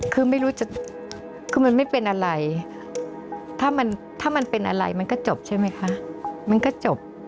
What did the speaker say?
คือไม่รู้จะคือมันไม่เป็นอะไรถ้ามันถ้ามันเป็นอะไรมันก็จบใช่ไหมคะมันก็จบ